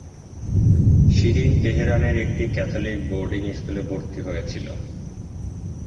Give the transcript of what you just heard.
শিরিন তেহরানের একটি Catholic boarding স্কুলে ভর্তি হয়েছিল।